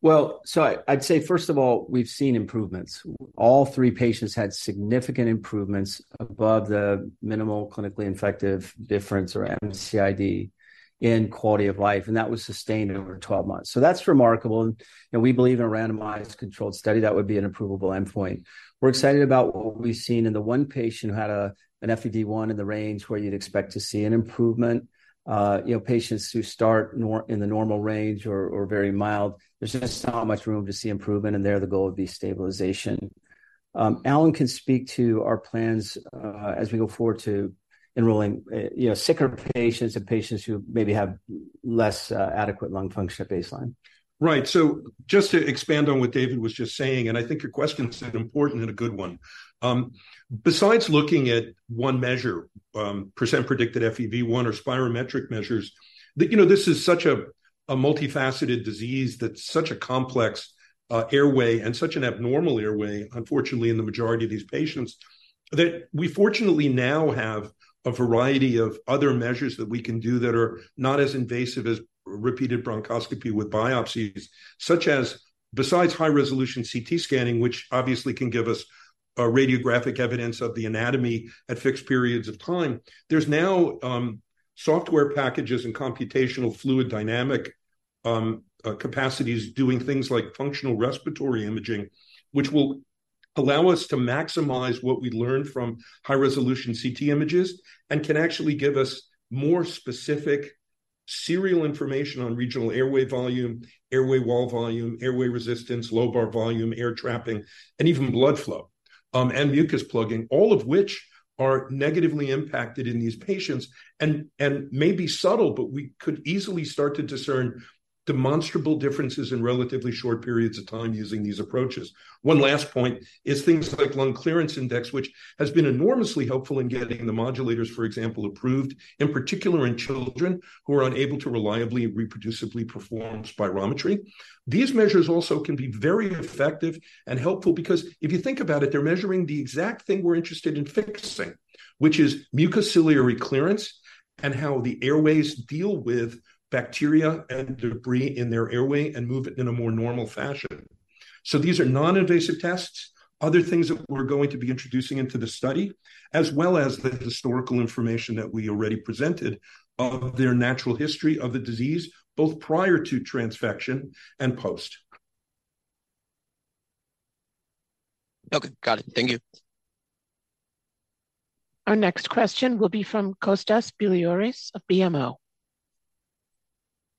Well, so I'd say, first of all, we've seen improvements. All three patients had significant improvements above the minimal clinically effective difference, or MCID, in quality of life, and that was sustained over 12 months. So that's remarkable, and we believe in a randomized controlled study, that would be an approvable endpoint. We're excited about what we've seen in the one patient who had an FEV1 in the range where you'd expect to see an improvement. You know, patients who start in the normal range or very mild, there's just not much room to see improvement, and there the goal would be stabilization. Alan can speak to our plans as we go forward to enrolling you know, sicker patients and patients who maybe have less adequate lung function at baseline. Right. So just to expand on what David was just saying, and I think your question is an important and a good one. Besides looking at one measure, percent predicted FEV1 or spirometric measures, you know, this is such a multifaceted disease that's such a complex airway and such an abnormal airway, unfortunately, in the majority of these patients, that we fortunately now have a variety of other measures that we can do that are not as invasive as repeated bronchoscopy with biopsies, such as, besides high-resolution CT scanning, which obviously can give us radiographic evidence of the anatomy at fixed periods of time. There's now software packages and computational fluid dynamic capacities doing things like functional respiratory imaging, which will allow us to maximize what we learn from high-resolution CT images and can actually give us more specific serial information on regional airway volume, airway wall volume, airway resistance, lobar volume, air trapping, and even blood flow and mucus plugging, all of which are negatively impacted in these patients and may be subtle, but we could easily start to discern demonstrable differences in relatively short periods of time using these approaches. One last point is things like lung clearance index, which has been enormously helpful in getting the modulators, for example, approved, in particular in children who are unable to reliably and reproducibly perform spirometry. These measures also can be very effective and helpful because if you think about it, they're measuring the exact thing we're interested in fixing, which is Mucociliary clearance and how the airways deal with bacteria and debris in their airway and move it in a more normal fashion. So these are non-invasive tests, other things that we're going to be introducing into the study, as well as the historical information that we already presented of their natural history of the disease, both prior to transfection and post. Okay, got it. Thank you. Our next question will be from Kostas Biliouris of BMO.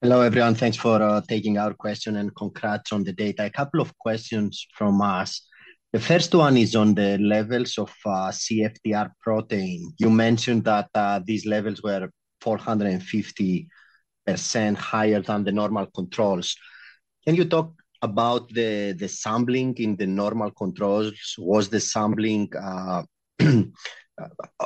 Hello, everyone. Thanks for taking our question, and congrats on the data. A couple of questions from us. The first one is on the levels of CFTR protein. You mentioned that these levels were 450% higher than the normal controls. Can you talk about the sampling in the normal controls? Was the sampling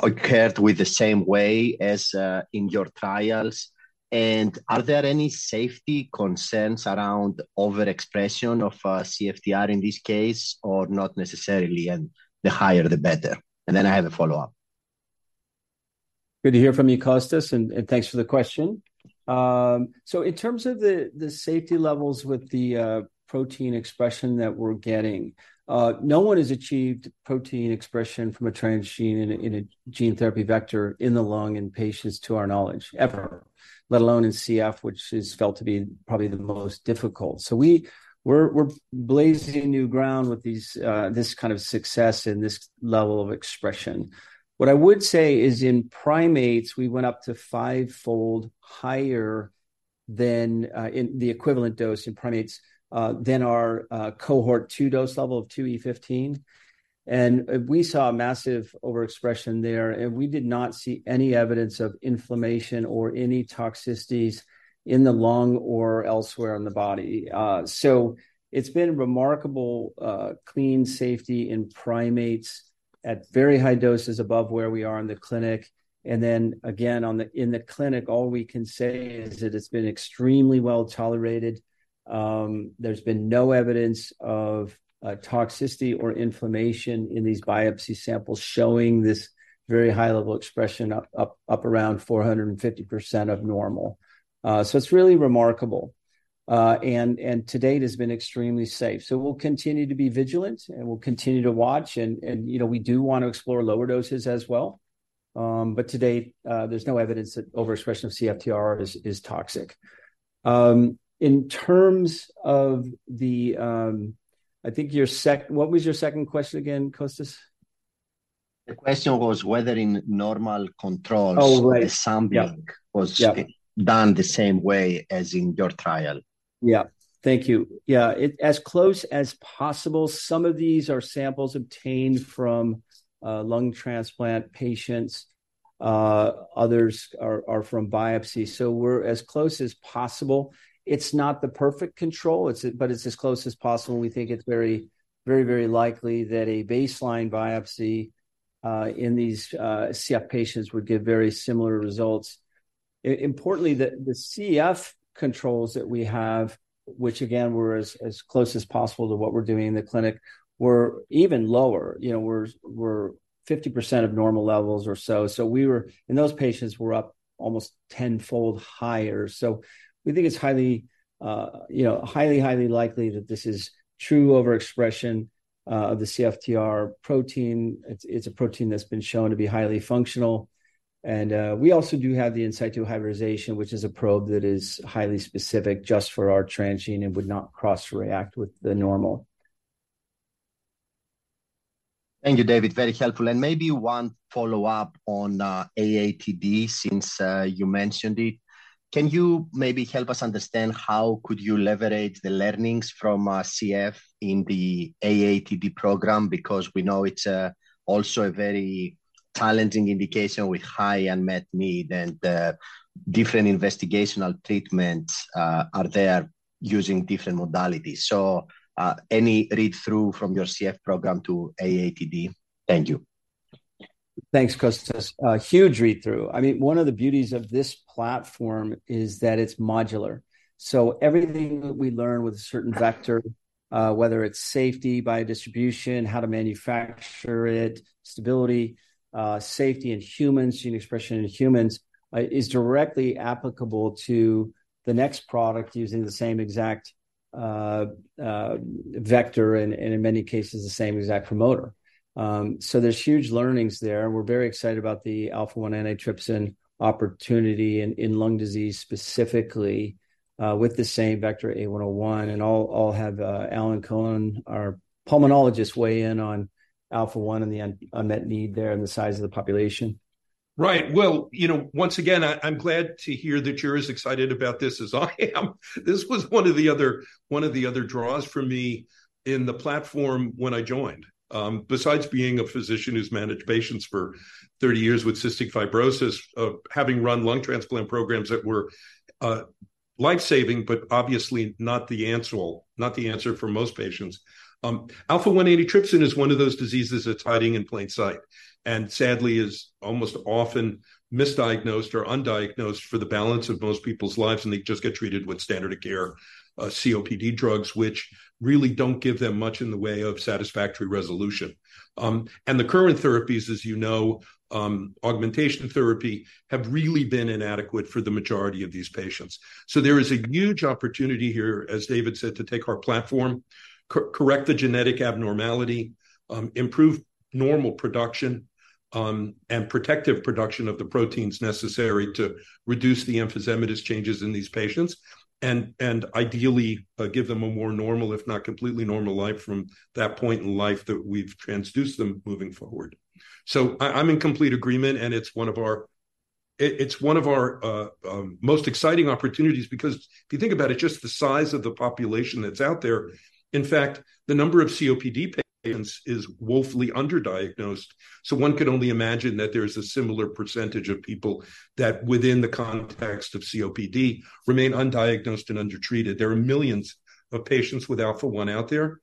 occurred with the same way as in your trials? And are there any safety concerns around overexpression of CFTR in this case, or not necessarily, and the higher the better? And then I have a follow-up. Good to hear from you, Kostas, and thanks for the question. So in terms of the safety levels with the protein expression that we're getting, no one has achieved protein expression from a transgene in a gene therapy vector in the lung in patients, to our knowledge, ever, let alone in CF, which is felt to be probably the most difficult. So we're blazing new ground with this kind of success and this level of expression. What I would say is, in primates, we went up to five-fold higher than in the equivalent dose in primates than our cohort two dose level of 2E15. And we saw a massive overexpression there, and we did not see any evidence of inflammation or any toxicities in the lung or elsewhere in the body. So it's been remarkable, clean safety in primates at very high doses above where we are in the clinic. And then again, on the in the clinic, all we can say is that it's been extremely well-tolerated. There's been no evidence of toxicity or inflammation in these biopsy samples showing this very high level expression up around 450% of normal. So it's really remarkable... and to date has been extremely safe. So we'll continue to be vigilant, and we'll continue to watch, and you know, we do want to explore lower doses as well. But to date, there's no evidence that overexpression of CFTR is toxic. In terms of the, I think your second question again, Kostas? The question was whether in normal controls- Oh, right the sampling Yeah, yeah was done the same way as in your trial. Yeah. Thank you. Yeah, it's as close as possible. Some of these are samples obtained from lung transplant patients, others are from biopsies. So we're as close as possible. It's not the perfect control, it's but it's as close as possible, and we think it's very, very, very likely that a baseline biopsy in these CF patients would give very similar results. Importantly, the CF controls that we have, which again, were as close as possible to what we're doing in the clinic, were even lower. You know, were 50% of normal levels or so. So we were... in those patients, were up almost tenfold higher. So we think it's highly, you know, highly, highly likely that this is true overexpression of the CFTR protein. It's a protein that's been shown to be highly functional, and we also do have the in situ hybridization, which is a probe that is highly specific just for our transgene and would not cross-react with the normal. Thank you, David. Very helpful, and maybe one follow-up on AATD since you mentioned it. Can you maybe help us understand how could you leverage the learnings from CF in the AATD program? Because we know it's also a very challenging indication with high unmet need, and different investigational treatments are there using different modalities. So any read-through from your CF program to AATD? Thank you. Thanks, Kostas. A huge read-through. I mean, one of the beauties of this platform is that it's modular. So everything that we learn with a certain vector, whether it's safety by distribution, how to manufacture it, stability, safety in humans, gene expression in humans, is directly applicable to the next product using the same exact vector, and in many cases, the same exact promoter. So there's huge learnings there, and we're very excited about the Alpha-1 Antitrypsin opportunity in lung disease, specifically, with the same vector, A101, and I'll have Alan Cohen, our pulmonologist, weigh in on Alpha-1 and the unmet need there and the size of the population. Right. Well, you know, once again, I, I'm glad to hear that you're as excited about this as I am. This was one of the other, one of the other draws for me in the platform when I joined. Besides being a physician who's managed patients for 30 years with cystic fibrosis, having run lung transplant programs that were, life-saving, but obviously not the answer, not the answer for most patients. Alpha-1 Antitrypsin is one of those diseases that's hiding in plain sight, and sadly, is almost often misdiagnosed or undiagnosed for the balance of most people's lives, and they just get treated with standard of care, COPD drugs, which really don't give them much in the way of satisfactory resolution. And the current therapies, as you know, augmentation therapy, have really been inadequate for the majority of these patients. So there is a huge opportunity here, as David said, to take our platform, correct the genetic abnormality, improve normal production, and protective production of the proteins necessary to reduce the emphysematous changes in these patients, and ideally, give them a more normal, if not completely normal, life from that point in life that we've transduced them moving forward. So I, I'm in complete agreement, and it's one of our... it, it's one of our, most exciting opportunities because if you think about it, just the size of the population that's out there. In fact, the number of COPD patients is woefully underdiagnosed, so one can only imagine that there's a similar percentage of people that, within the context of COPD, remain undiagnosed and undertreated. There are millions of patients with Alpha-1 out there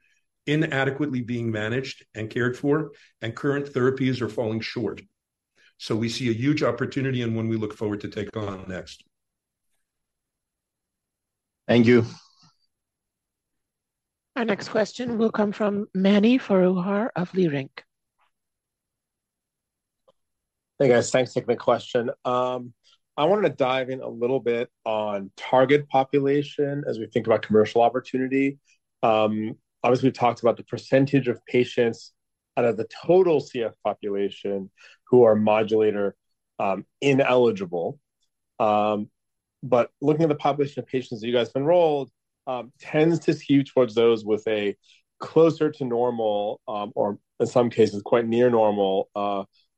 inadequately being managed and cared for, and current therapies are falling short. So we see a huge opportunity and one we look forward to taking on next. Thank you. Our next question will come from Mani Foroohar of Leerink. Hey, guys. Thanks for taking the question. I wanted to dive in a little bit on target population as we think about commercial opportunity. Obviously, we've talked about the percentage of patients out of the total CF population who are modulator ineligible. But looking at the population of patients that you guys have enrolled tends to skew towards those with a closer to normal, or in some cases, quite near normal,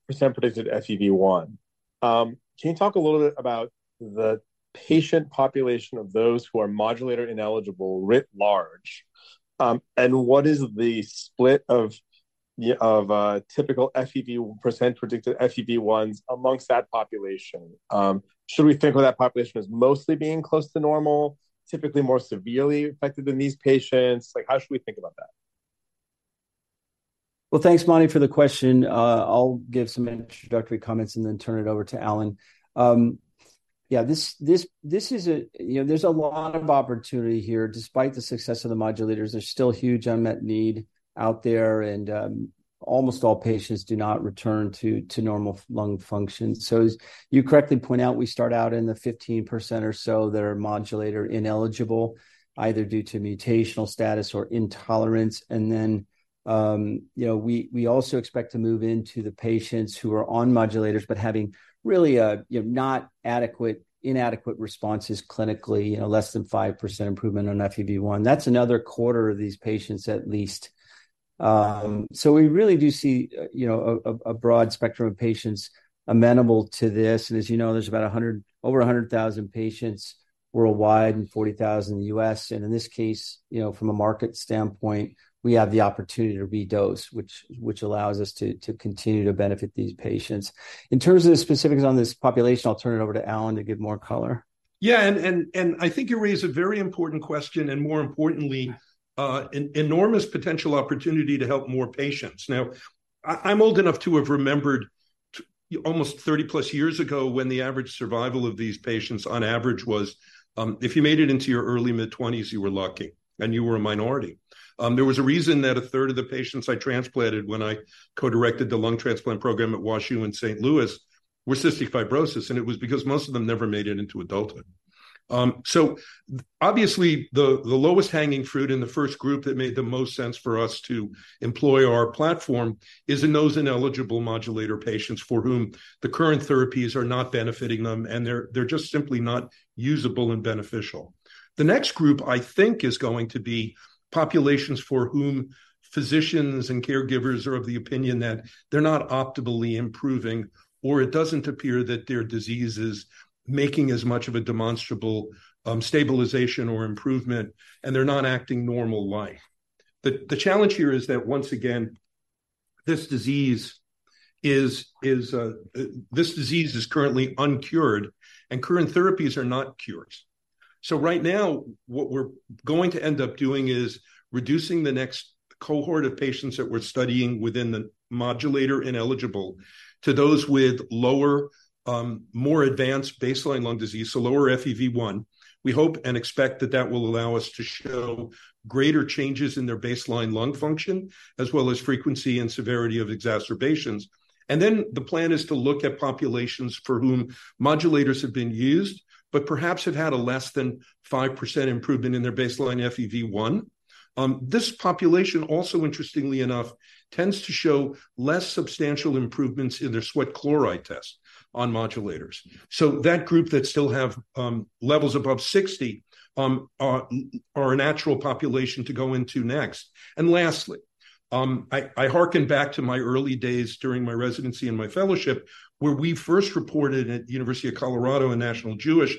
percent-predicted FEV1. Can you talk a little bit about the patient population of those who are modulator-ineligible writ large, and what is the split of typical FEV percent-predicted FEV1s amongst that population? Should we think of that population as mostly being close to normal, typically more severely affected than these patients? Like, how should we think about that? Well, thanks, Mani, for the question. I'll give some introductory comments and then turn it over to Alan. Yeah, this is a. You know, there's a lot of opportunity here. Despite the success of the modulators, there's still huge unmet need out there, and almost all patients do not return to normal lung function. So as you correctly point out, we start out in the 15% or so that are modulator-ineligible, either due to mutational status or intolerance, and then you know, we also expect to move into the patients who are on modulators, but having really inadequate responses clinically, you know, less than 5% improvement on FEV1. That's another quarter of these patients, at least. So we really do see, you know, a broad spectrum of patients amenable to this. And as you know, there's about 100-- over 100,000 patients worldwide and 40,000 in the U.S. And in this case, you know, from a market standpoint, we have the opportunity to re-dose, which allows us to continue to benefit these patients. In terms of the specifics on this population, I'll turn it over to Alan to give more color. Yeah, and I think you raise a very important question, and more importantly, an enormous potential opportunity to help more patients. Now, I’m old enough to have remembered almost 30+ years ago, when the average survival of these patients on average was, if you made it into your early mid-20s, you were lucky, and you were a minority. There was a reason that a third of the patients I transplanted when I co-directed the lung transplant program at WashU in St. Louis were cystic fibrosis, and it was because most of them never made it into adulthood. So obviously, the lowest hanging fruit in the first group that made the most sense for us to employ our platform is in those ineligible modulator patients for whom the current therapies are not benefiting them, and they're just simply not usable and beneficial. The next group, I think, is going to be populations for whom physicians and caregivers are of the opinion that they're not optimally improving, or it doesn't appear that their disease is making as much of a demonstrable, stabilization or improvement, and they're not acting normal life. The challenge here is that, once again, this disease is currently uncured, and current therapies are not cures. So right now, what we're going to end up doing is reducing the next cohort of patients that we're studying within the modulator ineligible to those with lower, more advanced baseline lung disease, so lower FEV1. We hope and expect that that will allow us to show greater changes in their baseline lung function, as well as frequency and severity of exacerbations. And then the plan is to look at populations for whom modulators have been used, but perhaps have had a less than 5% improvement in their baseline FEV1. This population also, interestingly enough, tends to show less substantial improvements in their sweat chloride test on modulators. So that group that still have levels above 60 are a natural population to go into next. And lastly, I hearken back to my early days during my residency and my fellowship, where we first reported at University of Colorado and National Jewish,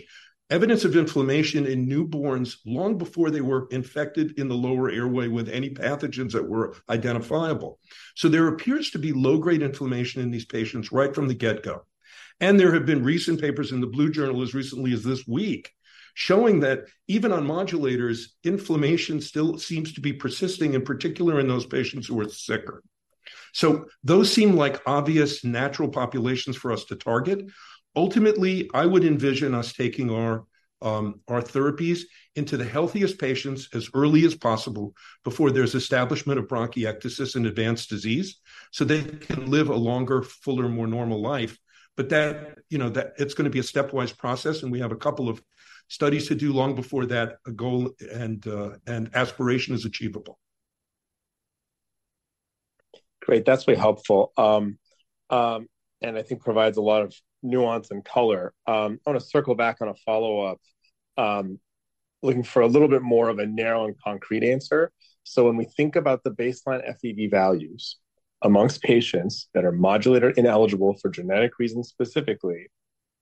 evidence of inflammation in newborns long before they were infected in the lower airway with any pathogens that were identifiable. So there appears to be low-grade inflammation in these patients right from the get-go. And there have been recent papers in the Blue Journal as recently as this week, showing that even on modulators, inflammation still seems to be persisting, in particular in those patients who are sicker. So those seem like obvious natural populations for us to target. Ultimately, I would envision us taking our therapies into the healthiest patients as early as possible before there's establishment of bronchiectasis and advanced disease, so they can live a longer, fuller, more normal life. But that, you know, that it's gonna be a stepwise process, and we have a couple of studies to do long before that goal and aspiration is achievable. Great, that's really helpful. I think provides a lot of nuance and color. I want to circle back on a follow-up, looking for a little bit more of a narrow and concrete answer. So when we think about the baseline FEV values amongst patients that are modulator-ineligible for genetic reasons, specifically,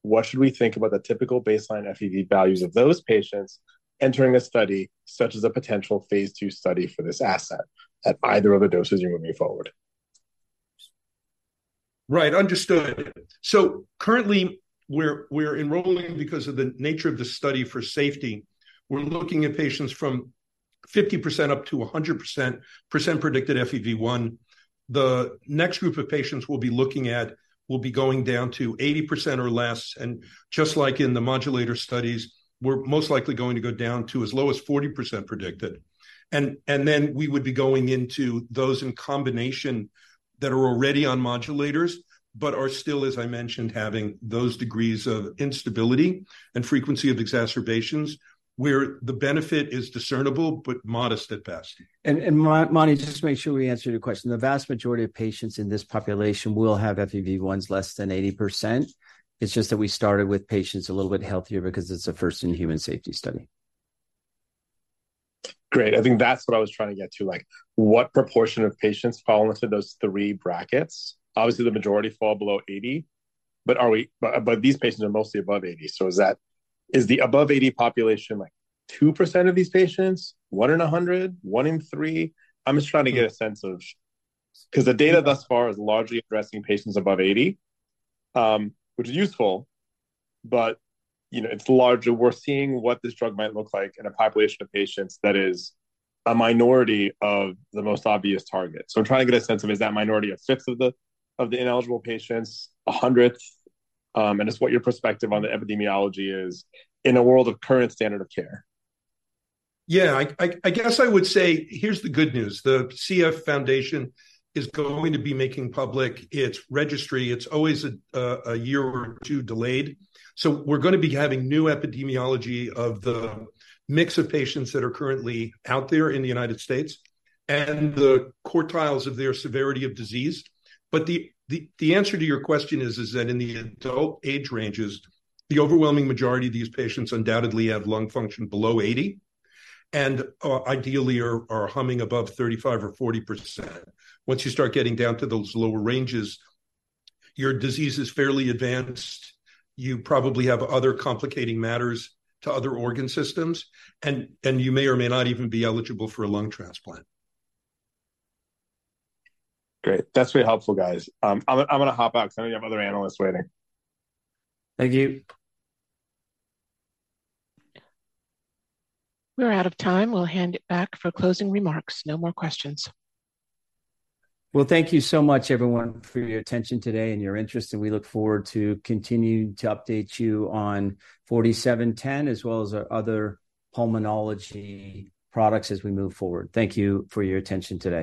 what should we think about the typical baseline FEV values of those patients entering a study such as a potential Phase II study for this asset at either of the doses you're moving forward? Right. Understood. So currently, we're enrolling because of the nature of the study for safety. We're looking at patients from 50% up to 100% predicted FEV1. The next group of patients we'll be looking at will be going down to 80% or less, and just like in the modulator studies, we're most likely going to go down to as low as 40% predicted. And then we would be going into those in combination that are already on modulators, but are still, as I mentioned, having those degrees of instability and frequency of exacerbations, where the benefit is discernible, but modest at best. Mani, just to make sure we answer your question, the vast majority of patients in this population will have FEV1s less than 80%. It's just that we started with patients a little bit healthier because it's a first in human safety study. Great. I think that's what I was trying to get to, like, what proportion of patients fall into those three brackets? Obviously, the majority fall below 80, but these patients are mostly above 80. So is the above 80 population, like, 2% of these patients, 1 in 100, 1 in 3? I'm just trying to get a sense of... Because the data thus far is largely addressing patients above 80, which is useful, but, you know, it's larger. We're seeing what this drug might look like in a population of patients that is a minority of the most obvious target. So I'm trying to get a sense of, is that minority 1/6 of the, of the ineligible patients, 1/100? And just what your perspective on the epidemiology is in a world of current standard of care. Yeah, I guess I would say, here's the good news: The CF Foundation is going to be making public its registry. It's always a year or two delayed. So we're gonna be having new epidemiology of the mix of patients that are currently out there in the United States and the quartiles of their severity of disease. But the answer to your question is that in the adult age ranges, the overwhelming majority of these patients undoubtedly have lung function below 80, and ideally, are humming above 35 or 40%. Once you start getting down to those lower ranges, your disease is fairly advanced, you probably have other complicating matters to other organ systems, and you may or may not even be eligible for a lung transplant. Great. That's really helpful, guys. I'm gonna hop out because I know you have other analysts waiting. Thank you. We're out of time. We'll hand it back for closing remarks. No more questions. Well, thank you so much, everyone, for your attention today and your interest, and we look forward to continuing to update you on 4D-710, as well as our other pulmonology products as we move forward. Thank you for your attention today.